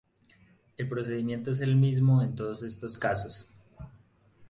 El procedimiento es el mismo en todos estos casos.